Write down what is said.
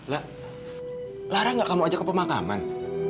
lah lara gak mau ajak ke pemakaman